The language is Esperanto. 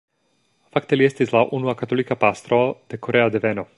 Fakte li estis la unua katolika pastro de korea deveno.